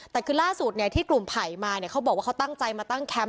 แต่คือล่าสุดที่กลุ่มไผ่มาเนี่ยเขาบอกว่าเขาตั้งใจมาตั้งแคมป